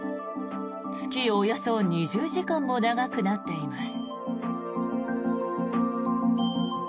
月およそ２０時間も長くなっています。